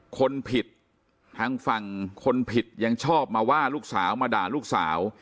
คนผิดทางฝั่งคนผิดยังชอบมาว่าลูกสาวมาด่าลูกสาว